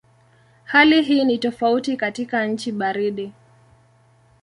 Hali hii ni tofauti katika nchi baridi.